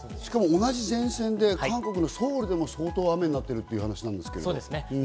同じ前線で韓国のソウルでも相当な雨になっているということなんですよね。